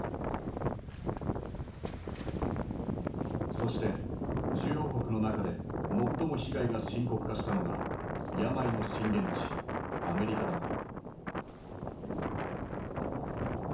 そして主要国の中で最も被害が深刻化したのが病の震源地アメリカだった。